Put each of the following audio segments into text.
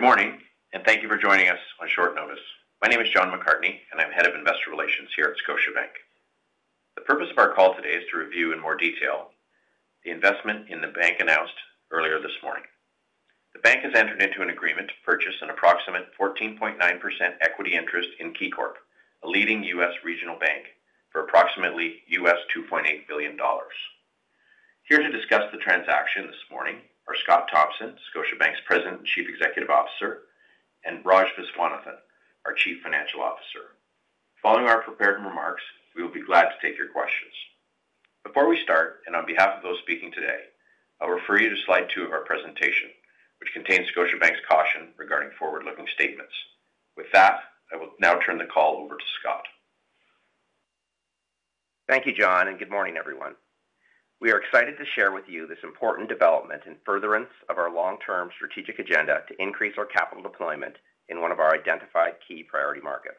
Good morning, and thank you for joining us on short notice. My name is John McCartney, and I'm Head of Investor Relations here at Scotiabank. The purpose of our call today is to review in more detail the investment in the bank announced earlier this morning. The bank has entered into an agreement to purchase an approximate 14.9% equity interest in KeyCorp, a leading U.S. regional bank, for approximately $2.8 billion. Here to discuss the transaction this morning are Scott Thomson, Scotiabank's President and Chief Executive Officer, and Raj Viswanathan, our Chief Financial Officer. Following our prepared remarks, we will be glad to take your questions. Before we start, and on behalf of those speaking today, I'll refer you to slide two of our presentation, which contains Scotiabank's caution regarding forward-looking statements. With that, I will now turn the call over to Scott. Thank you, John, and good morning, everyone. We are excited to share with you this important development in furtherance of our long-term strategic agenda to increase our capital deployment in one of our identified key priority markets.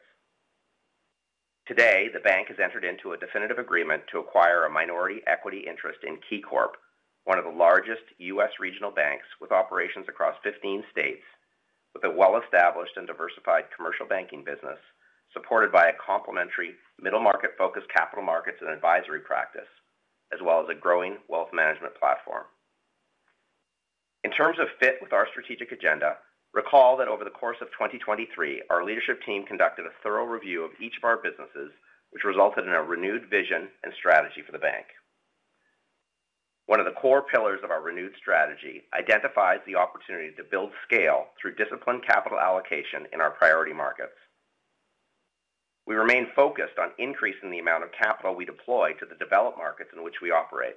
Today, the bank has entered into a definitive agreement to acquire a minority equity interest in KeyCorp, one of the largest U.S. regional banks, with operations across 15 states, with a well-established and diversified commercial banking business, supported by a complementary middle-market-focused capital markets and advisory practice, as well as a growing wealth management platform. In terms of fit with our strategic agenda, recall that over the course of 2023, our leadership team conducted a thorough review of each of our businesses, which resulted in a renewed vision and strategy for the bank. One of the core pillars of our renewed strategy identifies the opportunity to build scale through disciplined capital allocation in our priority markets. We remain focused on increasing the amount of capital we deploy to the developed markets in which we operate.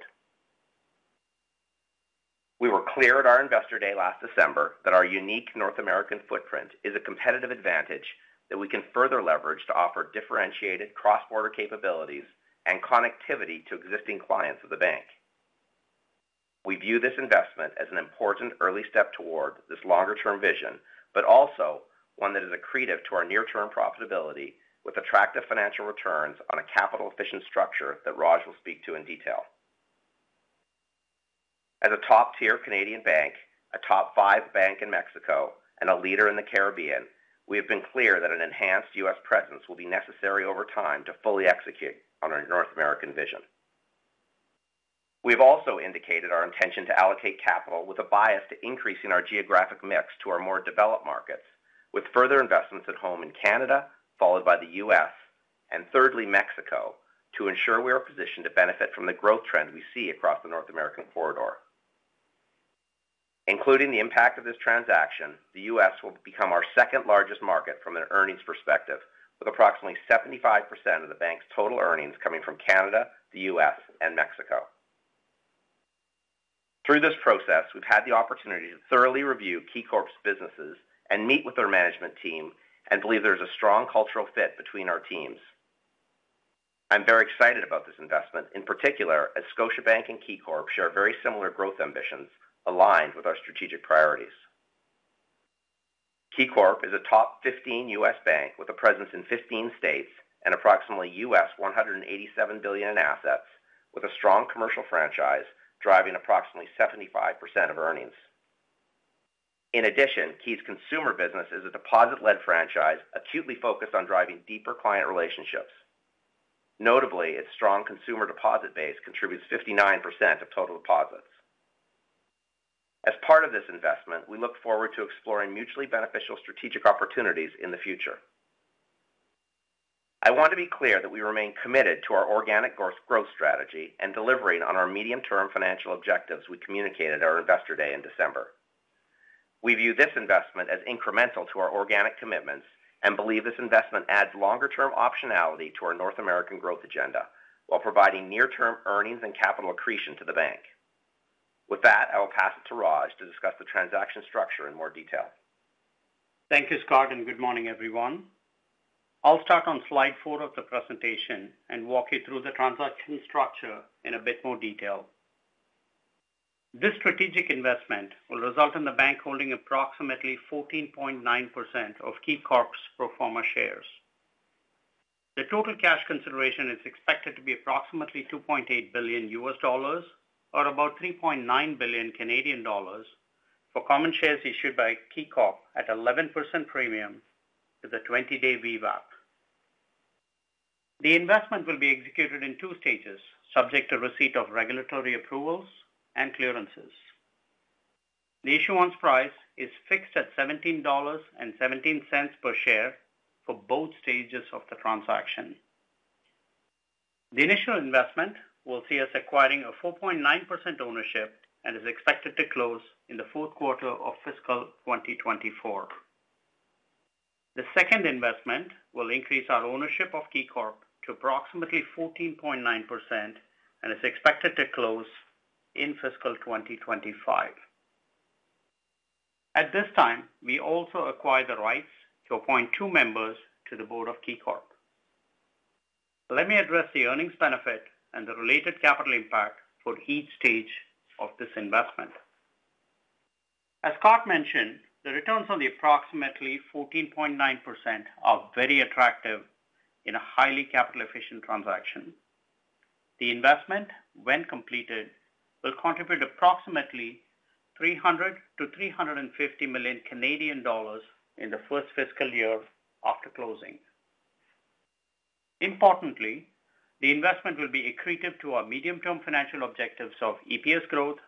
We were clear at our Investor Day last December that our unique North American footprint is a competitive advantage that we can further leverage to offer differentiated cross-border capabilities and connectivity to existing clients of the bank. We view this investment as an important early step toward this longer-term vision, but also one that is accretive to our near-term profitability, with attractive financial returns on a capital-efficient structure that Raj will speak to in detail. As a top-tier Canadian bank, a top-five bank in Mexico, and a leader in the Caribbean, we have been clear that an enhanced U.S. presence will be necessary over time to fully execute on our North American vision. We've also indicated our intention to allocate capital with a bias to increasing our geographic mix to our more developed markets, with further investments at home in Canada, followed by the U.S., and thirdly, Mexico, to ensure we are positioned to benefit from the growth trend we see across the North American corridor. Including the impact of this transaction, the U.S. will become our second-largest market from an earnings perspective, with approximately 75% of the bank's total earnings coming from Canada, the U.S., and Mexico. Through this process, we've had the opportunity to thoroughly review KeyCorp's businesses and meet with their management team and believe there's a strong cultural fit between our teams. I'm very excited about this investment, in particular, as Scotiabank and KeyCorp share very similar growth ambitions aligned with our strategic priorities. KeyCorp is a top 15 U.S. bank with a presence in 15 states and approximately $187 billion in assets, with a strong commercial franchise driving approximately 75% of earnings. In addition, Key's consumer business is a deposit-led franchise, acutely focused on driving deeper client relationships. Notably, its strong consumer deposit base contributes 59% of total deposits. As part of this investment, we look forward to exploring mutually beneficial strategic opportunities in the future. I want to be clear that we remain committed to our organic growth, growth strategy and delivering on our medium-term financial objectives we communicated at our Investor Day in December. We view this investment as incremental to our organic commitments and believe this investment adds longer-term optionality to our North American growth agenda while providing near-term earnings and capital accretion to the bank. With that, I will pass it to Raj to discuss the transaction structure in more detail. Thank you, Scott, and good morning, everyone. I'll start on slide four of the presentation and walk you through the transaction structure in a bit more detail. This strategic investment will result in the bank holding approximately 14.9% of KeyCorp's pro forma shares. The total cash consideration is expected to be approximately $2.8 billion, or about 3.9 billion Canadian dollars, for common shares issued by KeyCorp at 11% premium to the 20-day VWAP. The investment will be executed in two stages, subject to receipt of regulatory approvals and clearances. The issuance price is fixed at $17.17 per share for both stages of the transaction. The initial investment will see us acquiring a 4.9% ownership and is expected to close in the fourth quarter of fiscal 2024. The second investment will increase our ownership of KeyCorp to approximately 14.9% and is expected to close in fiscal 2025. At this time, we also acquire the rights to appoint two members to the board of KeyCorp. Let me address the earnings benefit and the related capital impact for each stage of this investment. As Scott mentioned, the returns on the approximately 14.9% are very attractive in a highly capital-efficient transaction.... The investment, when completed, will contribute approximately 300 million-350 million Canadian dollars in the first fiscal year after closing. Importantly, the investment will be accretive to our medium-term financial objectives of EPS growth,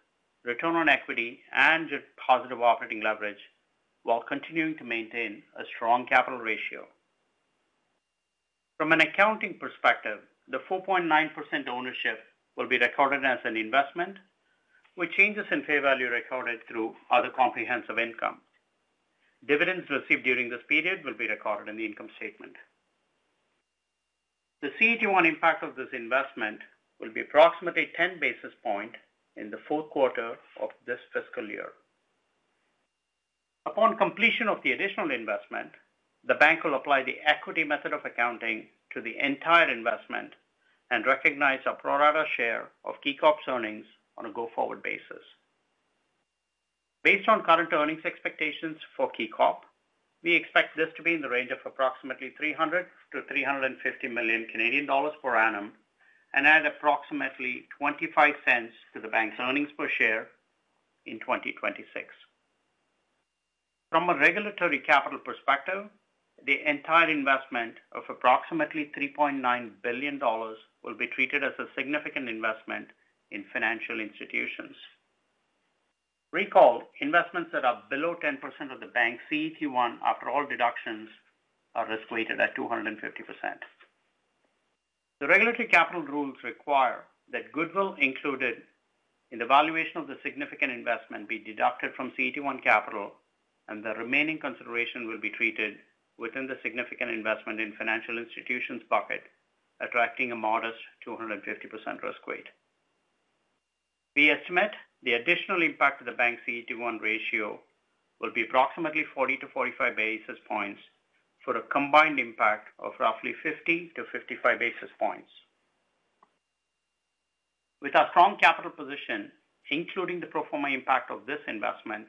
return on equity, and positive operating leverage, while continuing to maintain a strong capital ratio. From an accounting perspective, the 4.9% ownership will be recorded as an investment, with changes in fair value recorded through other comprehensive income. Dividends received during this period will be recorded in the income statement. The CET1 impact of this investment will be approximately 10 basis points in the fourth quarter of this fiscal year. Upon completion of the additional investment, the bank will apply the equity method of accounting to the entire investment and recognize a pro rata share of KeyCorp's earnings on a go-forward basis. Based on current earnings expectations for KeyCorp, we expect this to be in the range of approximately 300 million-350 million Canadian dollars per annum and add approximately 0.25 to the bank's earnings per share in 2026. From a regulatory capital perspective, the entire investment of approximately $3.9 billion will be treated as a significant investment in financial institutions. Recall, investments that are below 10% of the bank's CET1, after all deductions, are risk-weighted at 250%. The regulatory capital rules require that goodwill included in the valuation of the significant investment be deducted from CET1 capital, and the remaining consideration will be treated within the significant investment in financial institutions bucket, attracting a modest 250% risk weight. We estimate the additional impact of the bank's CET1 ratio will be approximately 40 basis points-45 basis points, for a combined impact of roughly 50 basis points-55 basis points. With our strong capital position, including the pro forma impact of this investment,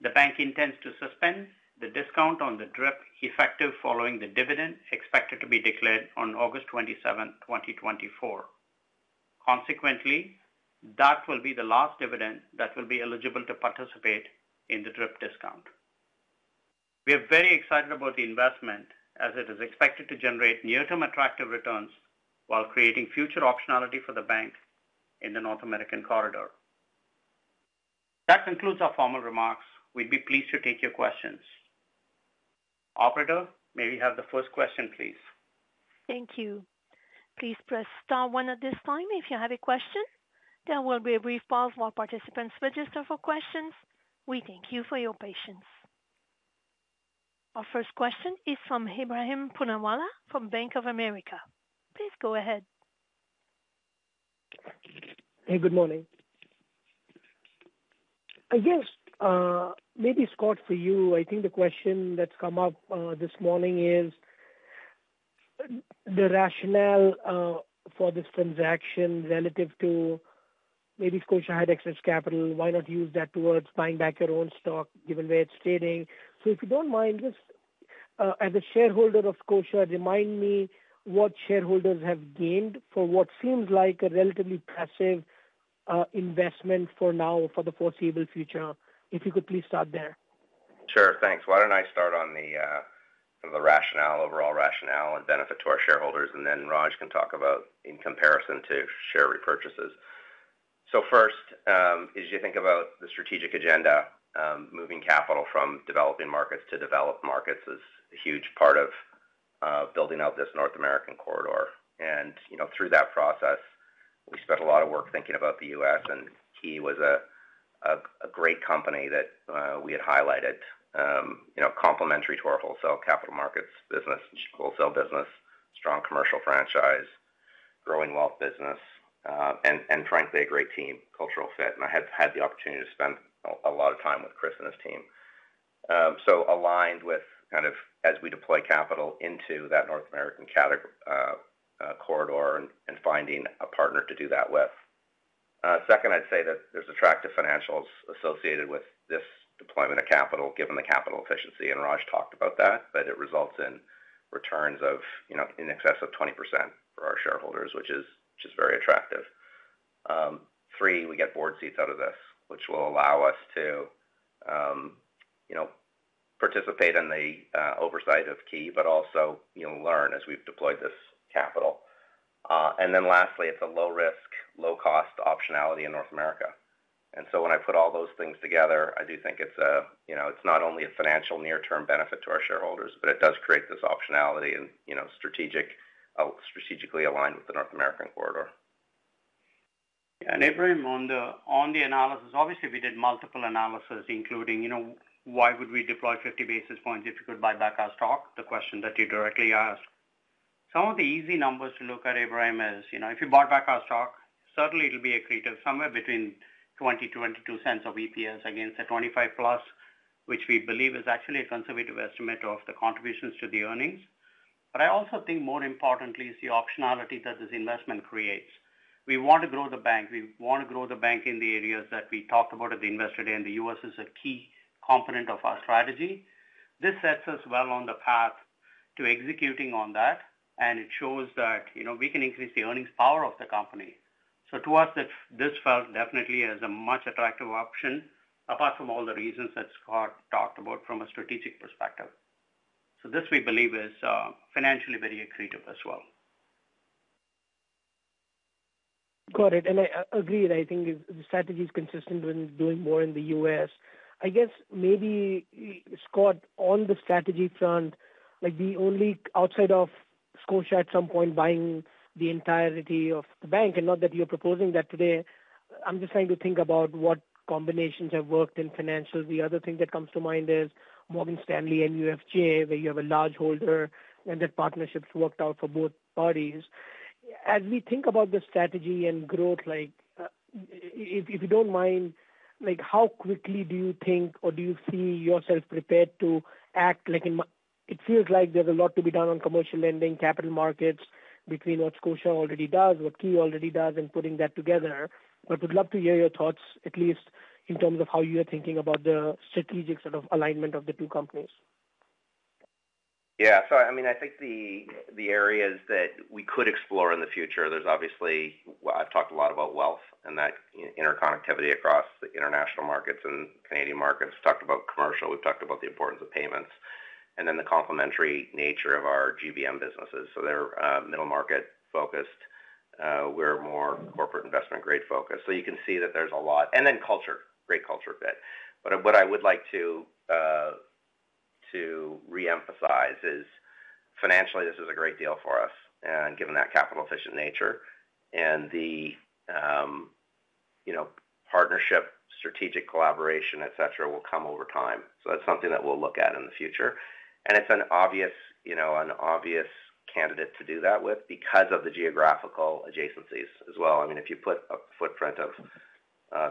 the bank intends to suspend the discount on the DRIP effective following the dividend, expected to be declared on August 27th, 2024. Consequently, that will be the last dividend that will be eligible to participate in the DRIP discount. We are very excited about the investment as it is expected to generate near-term attractive returns while creating future optionality for the bank in the North American corridor. That concludes our formal remarks. We'd be pleased to take your questions. Operator, may we have the first question, please? Thank you. Please press star one at this time if you have a question. There will be a brief pause while participants register for questions. We thank you for your patience. Our first question is from Ebrahim Poonawala from Bank of America. Please go ahead. Hey, good morning. I guess, maybe, Scott, for you, I think the question that's come up this morning is the rationale for this transaction relative to maybe Scotiabank had excess capital. Why not use that towards buying back your own stock, given where it's trading? So if you don't mind, just, as a shareholder of Scotiabank, remind me what shareholders have gained for what seems like a relatively passive investment for now for the foreseeable future. If you could please start there. Sure, thanks. Why don't I start on the rationale, overall rationale and benefit to our shareholders, and then Raj can talk about in comparison to share repurchases. So first, as you think about the strategic agenda, moving capital from developing markets to developed markets is a huge part of building out this North American corridor. And, you know, through that process, we spent a lot of work thinking about the U.S., and Key was a great company that we had highlighted, you know, complementary to our wholesale capital markets business, wholesale business, strong commercial franchise, growing wealth business, and frankly, a great team, cultural fit. And I had the opportunity to spend a lot of time with Chris and his team. So aligned with kind of as we deploy capital into that North American corridor and finding a partner to do that with. Second, I'd say that there's attractive financials associated with this deployment of capital, given the capital efficiency, and Raj talked about that, that it results in returns of, you know, in excess of 20% for our shareholders, which is just very attractive. Three, we get board seats out of this, which will allow us to, you know, participate in the oversight of Key, but also, you know, learn as we've deployed this capital. And then lastly, it's a low risk, low-cost optionality in North America. And so when I put all those things together, I do think it's a, you know, it's not only a financial near-term benefit to our shareholders, but it does create this optionality and, you know, strategically aligned with the North American corridor. Yeah, and Ebrahim, on the analysis, obviously, we did multiple analysis, including, you know, why would we deploy 50 basis points if you could buy back our stock? The question that you directly asked. Some of the easy numbers to look at, Ebrahim, is, you know, if you bought back our stock, certainly it'll be accretive, somewhere between 0.20-0.22 of EPS against the 0.25+, which we believe is actually a conservative estimate of the contributions to the earnings. But I also think more importantly is the optionality that this investment creates. We want to grow the bank. We want to grow the bank in the areas that we talked about at the Investor Day, and the U.S. is a key component of our strategy. This sets us well on the path-... to executing on that, and it shows that, you know, we can increase the earnings power of the company. So to us, it—this felt definitely as a much attractive option, apart from all the reasons that Scott talked about from a strategic perspective. So this, we believe, is financially very accretive as well. Got it, and I agree. I think the strategy is consistent with doing more in the U.S. I guess maybe, Scott, on the strategy front, like the only outside of Scotia at some point buying the entirety of the bank, and not that you're proposing that today. I'm just trying to think about what combinations have worked in financials. The other thing that comes to mind is Morgan Stanley and UFJ, where you have a large holder, and that partnership's worked out for both parties. As we think about the strategy and growth, like, if you don't mind, like, how quickly do you think, or do you see yourself prepared to act? Like, in my, it feels like there's a lot to be done on commercial lending, capital markets, between what Scotia already does, what Key already does, and putting that together. We'd love to hear your thoughts, at least in terms of how you are thinking about the strategic sort of alignment of the two companies. Yeah. So I mean, I think the areas that we could explore in the future, there's obviously... I've talked a lot about wealth and that interconnectivity across the international markets and Canadian markets. Talked about commercial, we've talked about the importance of payments, and then the complementary nature of our GBM businesses. So they're middle-market focused. We're more corporate investment grade focused. So you can see that there's a lot - and then culture, great culture fit. But what I would like to reemphasize is, financially, this is a great deal for us, and given that capital-efficient nature and the, you know, partnership, strategic collaboration, et cetera, will come over time. So that's something that we'll look at in the future. And it's an obvious, you know, an obvious candidate to do that with because of the geographical adjacencies as well. I mean, if you put a footprint of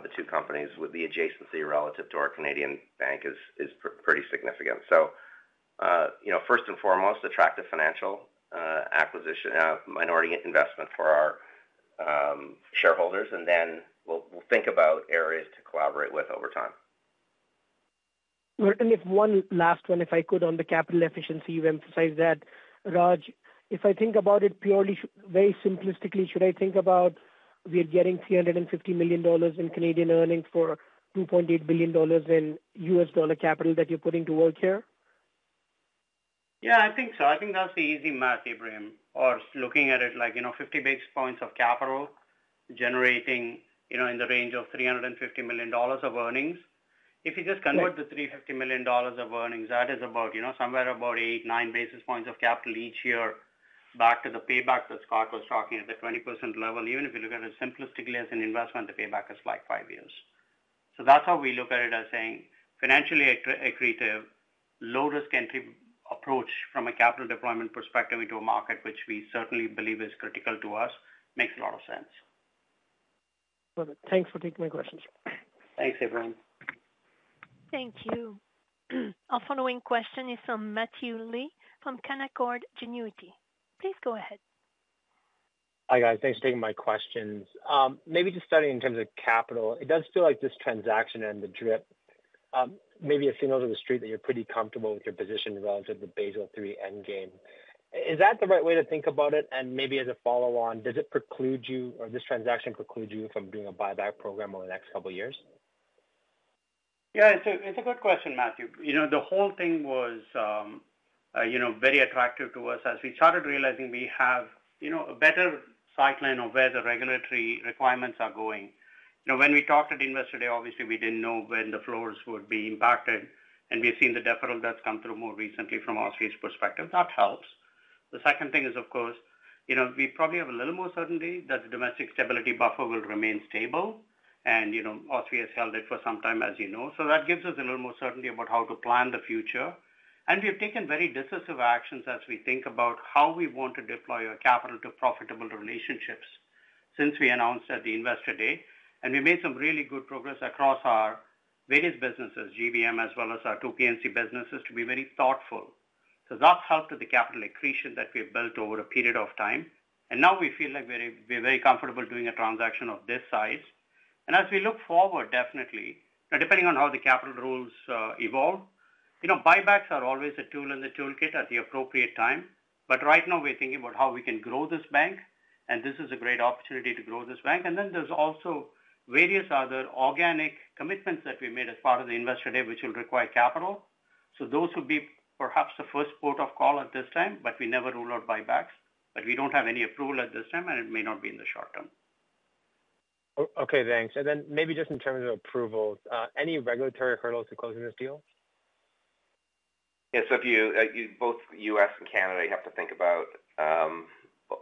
the two companies with the adjacency relative to our Canadian bank is pretty significant. So, you know, first and foremost, attractive financial acquisition minority investment for our shareholders, and then we'll think about areas to collaborate with over time. And if one last one, if I could, on the capital efficiency, you've emphasized that, Raj. If I think about it purely, very simplistically, should I think about we are getting 350 million dollars in Canadian earnings for $2.8 billion in U.S. dollar capital that you're putting to work here? Yeah, I think so. I think that's the easy math, Ebrahim, or looking at it like, you know, 50 basis points of capital generating, you know, in the range of $350 million of earnings. If you just convert the $350 million of earnings, that is about, you know, somewhere about 8 basis points-9 basis points of capital each year back to the payback that Scott was talking at the 20% level. Even if you look at it simplistically as an investment, the payback is like 5 years. So that's how we look at it as saying financially accretive, low risk entry approach from a capital deployment perspective into a market which we certainly believe is critical to us, makes a lot of sense. Well, thanks for taking my questions. Thanks, Ebrahim. Thank you. Our following question is from Matthew Lee from Canaccord Genuity. Please go ahead. Hi, guys. Thanks for taking my questions. Maybe just starting in terms of capital, it does feel like this transaction and the DRIP, maybe a signal to the street that you're pretty comfortable with your position relative to Basel III endgame. Is that the right way to think about it? And maybe as a follow-on, does it preclude you or this transaction preclude you from doing a buyback program over the next couple of years? Yeah, it's a good question, Matthew. You know, the whole thing was, you know, very attractive to us as we started realizing we have, you know, a better sight line of where the regulatory requirements are going. You know, when we talked at Investor Day, obviously we didn't know when the floors would be impacted, and we've seen the deferral that's come through more recently from OSFI's perspective. That helps. The second thing is, of course, you know, we probably have a little more certainty that the Domestic Stability Buffer will remain stable. And, you know, OSFI has held it for some time, as you know. So that gives us a little more certainty about how to plan the future. We have taken very decisive actions as we think about how we want to deploy our capital to profitable relationships since we announced at the Investor Day. We made some really good progress across our various businesses, GBM, as well as our two P&C businesses, to be very thoughtful. So that's helped with the capital accretion that we've built over a period of time, and now we feel like we're very comfortable doing a transaction of this size. As we look forward, definitely, now depending on how the capital rules evolve, you know, buybacks are always a tool in the toolkit at the appropriate time. But right now we're thinking about how we can grow this bank, and this is a great opportunity to grow this bank. And then there's also various other organic commitments that we made as part of the Investor Day, which will require capital. So those would be perhaps the first port of call at this time, but we never rule out buybacks. But we don't have any approval at this time, and it may not be in the short term. Okay, thanks. Then maybe just in terms of approvals, any regulatory hurdles to closing this deal? Yeah, so if you both U.S. and Canada, you have to think about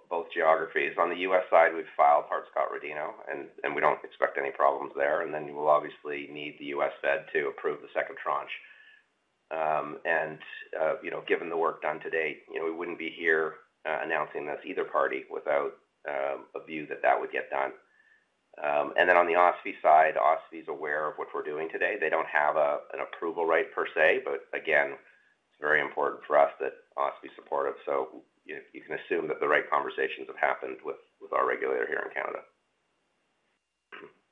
both geographies. On the U.S. side, we've filed Hart-Scott-Rodino, and we don't expect any problems there. And then you will obviously need the U.S. Fed to approve the second tranche. And, you know, given the work done to date, you know, we wouldn't be here announcing this, either party, without a view that that would get done. And then on the OSFI side, OSFI is aware of what we're doing today. They don't have an approval right per se, but again, it's very important for us that OSFI is supportive. So you can assume that the right conversations have happened with our regulator here in Canada.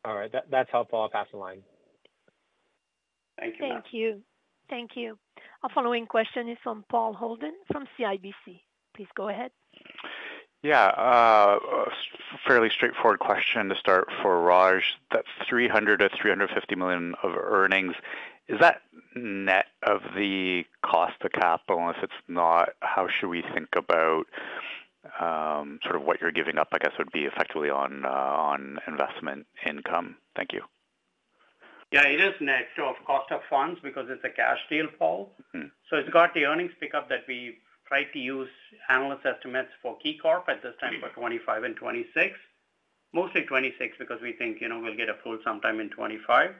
All right, that's helpful. I'll pass the line. Thank you. Thank you. Thank you. Our following question is from Paul Holden from CIBC. Please go ahead. Yeah, fairly straightforward question to start for Raj. That's 300 million-350 million of earnings. Is that net of the cost of capital? And if it's not, how should we think about, sort of what you're giving up, I guess, would be effectively on investment income? Thank you. Yeah, it is net of cost of funds because it's a cash deal, Paul. Mm-hmm. So it's got the earnings pickup that we tried to use analyst estimates for KeyCorp at this time for 2025 and 2026. Mostly 2026, because we think, you know, we'll get approved sometime in 2025.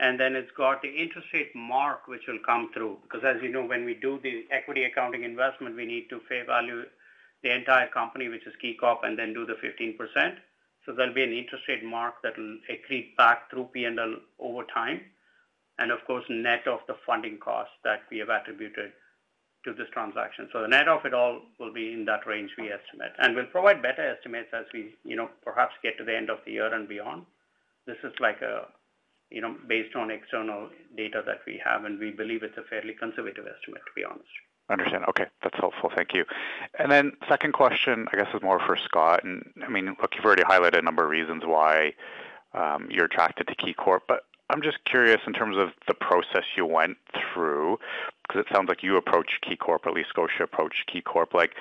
And then it's got the interest rate mark, which will come through, because as you know, when we do the equity accounting investment, we need to fair value the entire company, which is KeyCorp, and then do the 15%. So there'll be an interest rate mark that will accrete back through P&L over time. And of course, net of the funding costs that we have attributed to this transaction. So the net of it all will be in that range, we estimate. And we'll provide better estimates as we, you know, perhaps get to the end of the year and beyond. This is like a, you know, based on external data that we have, and we believe it's a fairly conservative estimate, to be honest. Understand. Okay, that's helpful. Thank you. Then second question, I guess, is more for Scott. I mean, look, you've already highlighted a number of reasons why you're attracted to KeyCorp, but I'm just curious in terms of the process you went through, because it sounds like you approached KeyCorp, or at least Scotia approached KeyCorp. Like,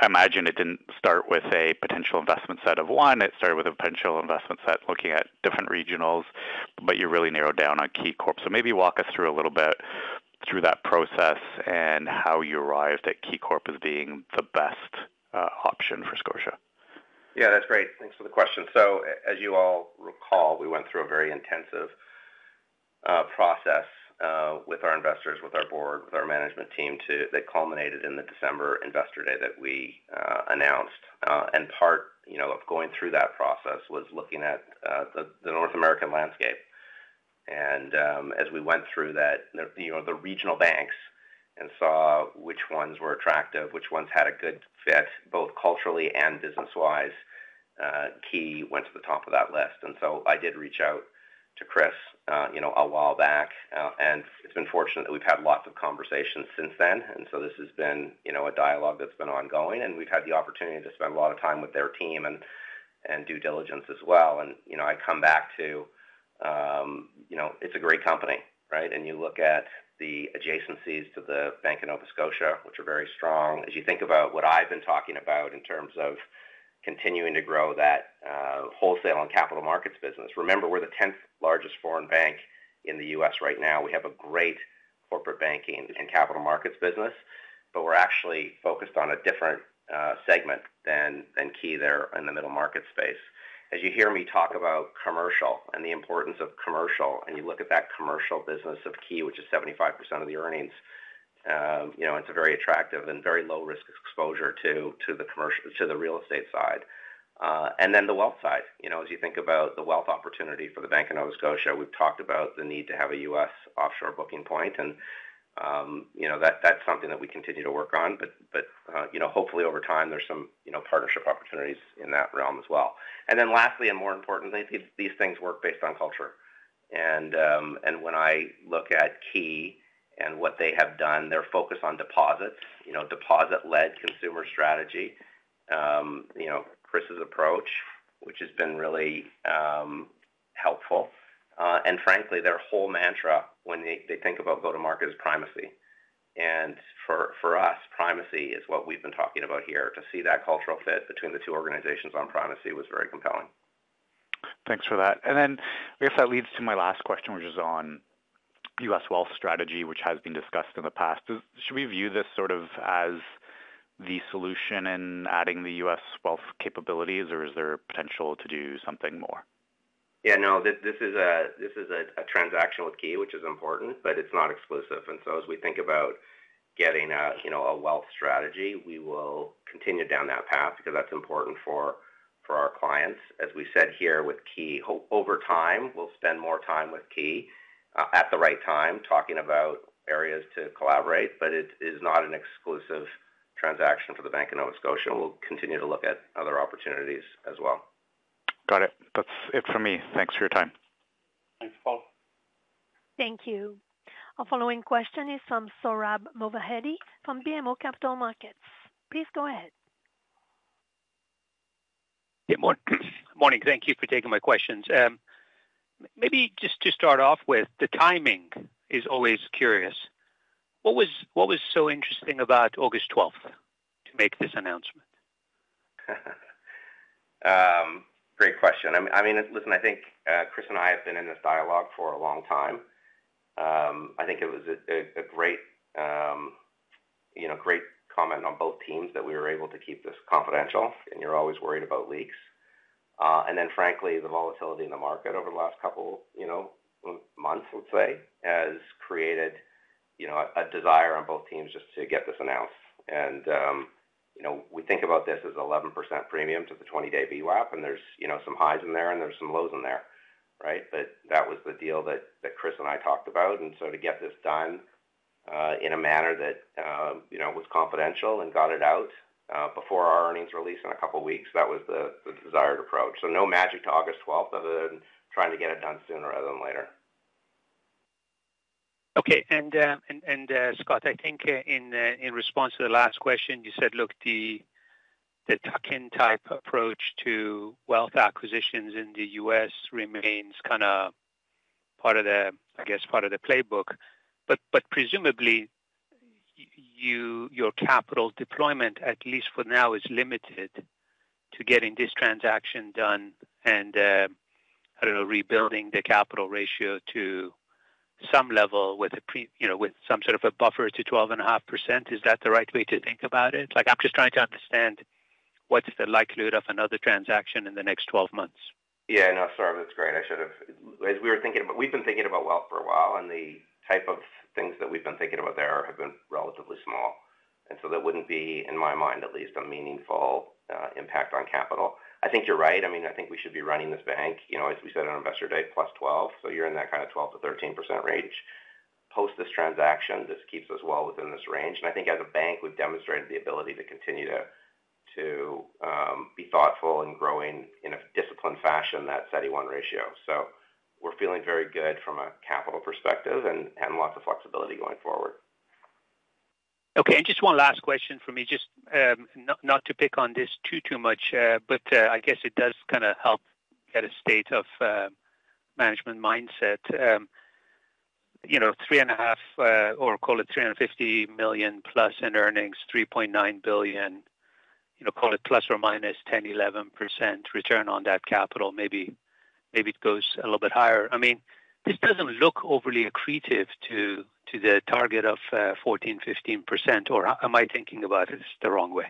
I imagine it didn't start with a potential investment set of one. It started with a potential investment set, looking at different regionals, but you really narrowed down on KeyCorp. So maybe walk us through a little bit through that process and how you arrived at KeyCorp as being the best option for Scotia. Yeah, that's great. Thanks for the question. So as you all recall, we went through a very intensive process with our investors, with our board, with our management team, to that culminated in the December Investor Day that we announced. And part, you know, of going through that process was looking at the North American landscape. And as we went through that, you know, the regional banks and saw which ones were attractive, which ones had a good fit, both culturally and business-wise, Key went to the top of that list. And so I did reach out to Chris, you know, a while back, and it's been fortunate that we've had lots of conversations since then. And so this has been, you know, a dialogue that's been ongoing, and we've had the opportunity to spend a lot of time with their team and due diligence as well. And, you know, I come back to, you know, it's a great company, right? And you look at the adjacencies to the Bank of Nova Scotia, which are very strong. As you think about what I've been talking about in terms of continuing to grow that wholesale and capital markets business. Remember, we're the tenth largest foreign bank in the U.S. right now. We have a great corporate banking and capital markets business, but we're actually focused on a different segment than Key there in the middle market space. As you hear me talk about commercial and the importance of commercial, and you look at that commercial business of Key, which is 75% of the earnings, you know, it's a very attractive and very low risk exposure to the real estate side, and then the wealth side. You know, as you think about the wealth opportunity for the Bank of Nova Scotia, we've talked about the need to have a U.S. offshore booking point, and, you know, that, that's something that we continue to work on. But, you know, hopefully, over time, there's some, you know, partnership opportunities in that realm as well. And then lastly, and more importantly, these things work based on culture. When I look at Key and what they have done, their focus on deposits, you know, deposit-led consumer strategy, you know, Chris's approach, which has been really helpful, and frankly, their whole mantra when they think about go-to-market is primacy. For us, primacy is what we've been talking about here. To see that cultural fit between the two organizations on primacy was very compelling. Thanks for that. And then I guess that leads to my last question, which is on U.S. wealth strategy, which has been discussed in the past. Should we view this sort of as the solution in adding the U.S. wealth capabilities, or is there potential to do something more? Yeah, no, this is a transaction with Key, which is important, but it's not exclusive. And so as we think about getting a, you know, a wealth strategy, we will continue down that path because that's important for our clients. As we said here with Key, over time, we'll spend more time with Key at the right time, talking about areas to collaborate, but it is not an exclusive transaction for the Bank of Nova Scotia. We'll continue to look at other opportunities as well. Got it. That's it for me. Thanks for your time. Thanks, Paul. Thank you. Our following question is from Sohrab Movahedi from BMO Capital Markets. Please go ahead. Good morning. Thank you for taking my questions. Maybe just to start off with, the timing is always curious. What was so interesting about August twelfth to make this announcement? Great question. I mean, listen, I think, Chris and I have been in this dialogue for a long time. I think it was a great comment on both teams that we were able to keep this confidential, and you're always worried about leaks. And then frankly, the volatility in the market over the last couple months, let's say, has created a desire on both teams just to get this announced. And, you know, we think about this as 11% premium to the 20-day VWAP, and there's some highs in there, and there's some lows in there, right? But that was the deal that Chris and I talked about, and so to get this done-... In a manner that, you know, was confidential and got it out before our earnings release in a couple of weeks. That was the desired approach. So no magic to August twelfth, other than trying to get it done sooner rather than later. Okay. And, Scott, I think, in response to the last question, you said, look, the tuck-in type approach to wealth acquisitions in the U.S. remains kind of part of the, I guess, part of the playbook. But, presumably, your capital deployment, at least for now, is limited to getting this transaction done and, I don't know, rebuilding the capital ratio to some level with you know, with some sort of a buffer to 12.5%. Is that the right way to think about it? Like, I'm just trying to understand what's the likelihood of another transaction in the next 12 months. Yeah, no, Sohrab, that's great. I should have... As we were thinking about-- we've been thinking about wealth for a while, and the type of things that we've been thinking about there have been relatively small, and so that wouldn't be, in my mind, at least, a meaningful impact on capital. I think you're right. I mean, I think we should be running this bank, you know, as we said on Investor Day, +12, so you're in that kind of 12%-13% range. Post this transaction, this keeps us well within this range. And I think as a bank, we've demonstrated the ability to continue to be thoughtful in growing in a disciplined fashion, that CET1 ratio. So we're feeling very good from a capital perspective and lots of flexibility going forward. Okay, and just one last question for me. Just, not to pick on this too much, but, I guess it does kind of help get a state of management mindset. You know, 3.5, or call it 350 million+ in earnings, 3.9 billion, you know, call it ±10%-11% return on that capital. Maybe it goes a little bit higher. I mean, this doesn't look overly accretive to the target of 14%-15%, or am I thinking about this the wrong way?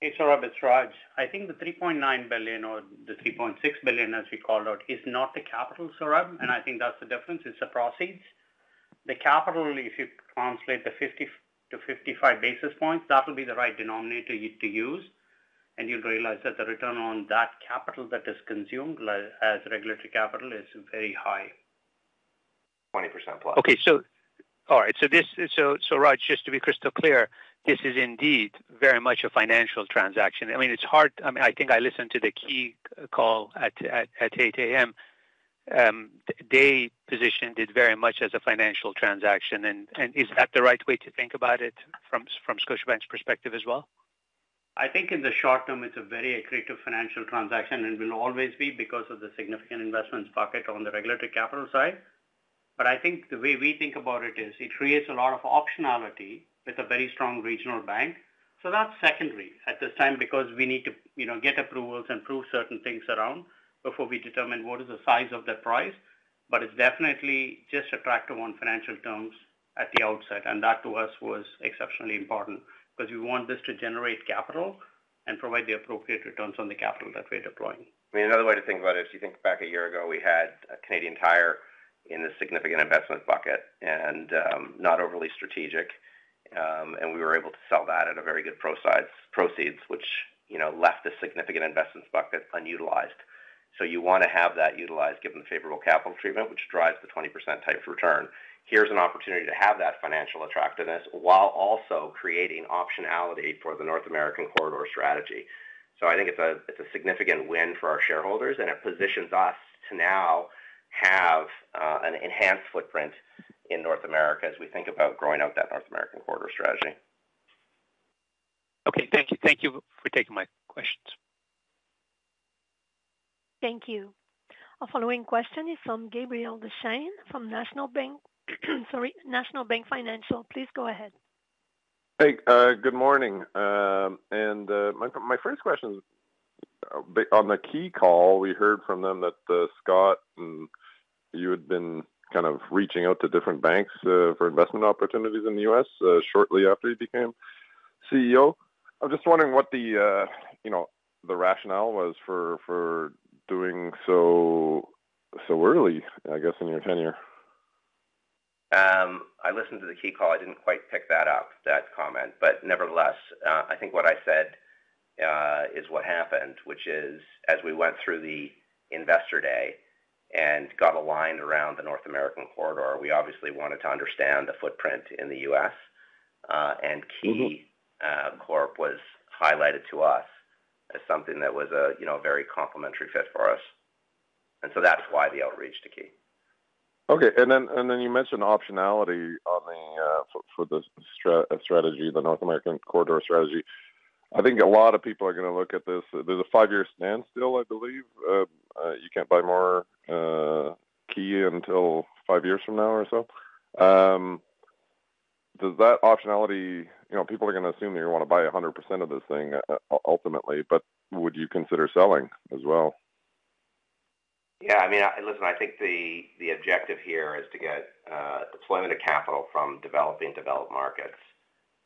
Hey, Sohrab, it's Raj. I think the $3.9 billion or the $3.6 billion, as we called out, is not the capital, Sohrab, and I think that's the difference. It's the proceeds. The capital, if you translate the 50 basis points-55 basis points, that will be the right denominator to use, and you'll realize that the return on that capital that is consumed as regulatory capital is very high. 20%+. Okay, so... All right, so this, Raj, just to be crystal clear, this is indeed very much a financial transaction. I mean, it's hard... I mean, I think I listened to the Key call at 8 A.M. They positioned it very much as a financial transaction. And is that the right way to think about it from Scotiabank's perspective as well? I think in the short term, it's a very accretive financial transaction and will always be because of the significant investments pocket on the regulatory capital side. But I think the way we think about it is it creates a lot of optionality with a very strong regional bank. So that's secondary at this time because we need to, you know, get approvals and prove certain things around before we determine what is the size of that price. But it's definitely just attractive on financial terms at the outset, and that to us, was exceptionally important because we want this to generate capital and provide the appropriate returns on the capital that we're deploying. I mean, another way to think about it, if you think back a year ago, we had a Canadian Tire in the significant investment bucket and, not overly strategic. And we were able to sell that at a very good proceeds, proceeds, which, you know, left a significant investment bucket unutilized. So you want to have that utilized, given the favorable capital treatment, which drives the 20% type return. Here's an opportunity to have that financial attractiveness while also creating optionality for the North American corridor strategy. So I think it's a, it's a significant win for our shareholders, and it positions us to now have, an enhanced footprint in North America as we think about growing out that North American corridor strategy. Okay. Thank you. Thank you for taking my questions. Thank you. Our following question is from Gabriel Dechaine, from National Bank, sorry, National Bank Financial. Please go ahead. Hey, good morning. My first question, on the Key call, we heard from them that Scott, and you had been kind of reaching out to different banks for investment opportunities in the U.S., shortly after you became CEO. I'm just wondering what the, you know, the rationale was for doing so so early, I guess, in your tenure. I listened to the KeyCorp call. I didn't quite pick that up, that comment. But nevertheless, I think what I said is what happened, which is, as we went through the Investor Day and got aligned around the North American corridor, we obviously wanted to understand the footprint in the U.S., and KeyCorp was highlighted to us as something that was a, you know, very complementary fit for us. And so that's why the outreach to KeyCorp. Okay. And then you mentioned optionality on the strategy, the North American corridor strategy. I think a lot of people are going to look at this. There's a five-year standstill, I believe. You can't buy more Key until five years from now or so. Does that optionality... You know, people are going to assume that you want to buy 100% of this thing ultimately, but would you consider selling as well? Yeah, I mean, listen, I think the objective here is to get deployment of capital from developing, developed markets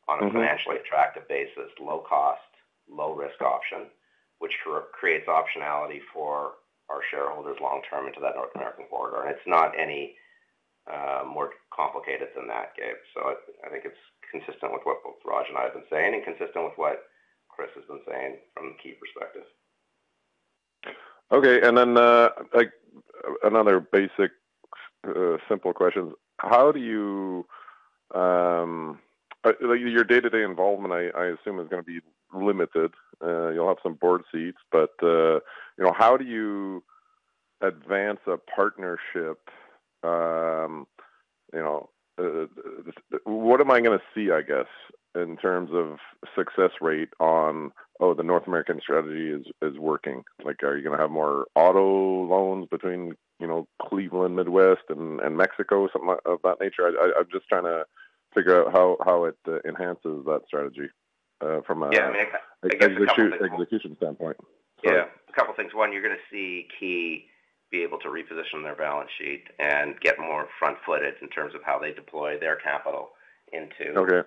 on a financially attractive basis, low cost, low risk option, which creates optionality for our shareholders long term into that North American corridor. And it's not any more complicated than that, Gabe. So I think it's consistent with what both Raj and I have been saying, and consistent with what Chris has been saying from the Key perspective. ...Okay, and then, like another basic, simple question. How do you, like your day-to-day involvement, I, I assume, is going to be limited. You'll have some board seats, but, you know, how do you advance a partnership? You know, what am I going to see, I guess, in terms of success rate on the North American strategy is working? Like, are you going to have more auto loans between, you know, Cleveland, Midwest, and Mexico, something of that nature? I'm just trying to figure out how it enhances that strategy, from a- Yeah, I mean- Execution standpoint. Yeah. A couple things. One, you're going to see Key be able to reposition their balance sheet and get more front footage in terms of how they deploy their capital into- Okay.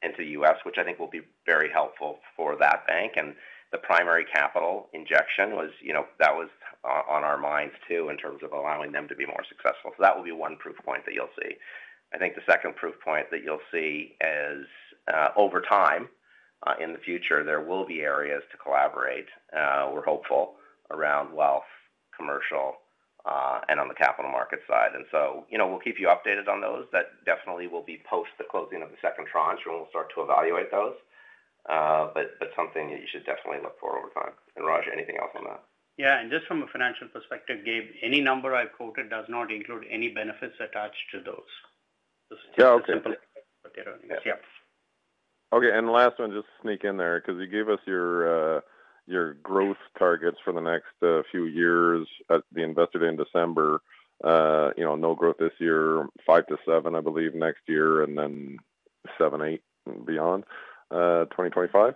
Into the U.S., which I think will be very helpful for that bank. The primary capital injection was, you know, that was on our minds, too, in terms of allowing them to be more successful. That will be one proof point that you'll see. I think the second proof point that you'll see is, over time, in the future, there will be areas to collaborate. We're hopeful around wealth, commercial, and on the capital market side. So, you know, we'll keep you updated on those. That definitely will be post the closing of the second tranche, when we'll start to evaluate those. But something you should definitely look for over time. Raj, anything else on that? Yeah, and just from a financial perspective, Gabe, any number I've quoted does not include any benefits attached to those. Yeah, okay. Yeah. Okay, and the last one, just to sneak in there, because you gave us your, your growth targets for the next, few years at the Investor Day in December. You know, no growth this year, 5-7, I believe, next year, and then 7-8 beyond 2025.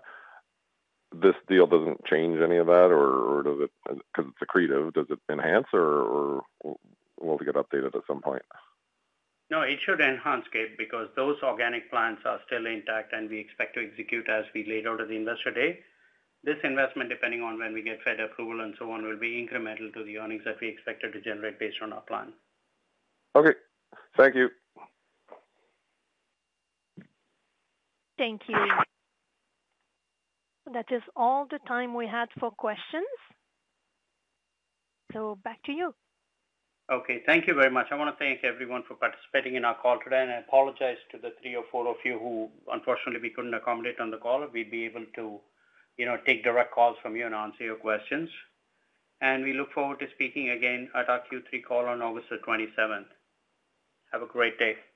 This deal doesn't change any of that, or does it? Because it's accretive, does it enhance or, or will we get updated at some point? No, it should enhance, Gabe, because those organic plans are still intact, and we expect to execute as we laid out at the Investor Day. This investment, depending on when we get Fed approval and so on, will be incremental to the earnings that we expected to generate based on our plan. Okay. Thank you. Thank you. That is all the time we had for questions. So back to you. Okay, thank you very much. I want to thank everyone for participating in our call today, and I apologize to the three or four of you who unfortunately we couldn't accommodate on the call. We'd be able to, you know, take direct calls from you and answer your questions. We look forward to speaking again at our Q3 call on August the 27th. Have a great day.